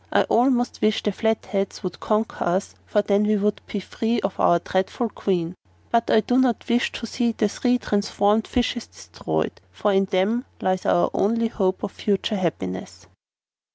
I almost wish the Flatheads would conquer us, for then we would be free from our dreadful Queen; but I do not wish to see the three transformed fishes destroyed, for in them lies our only hope of future happiness."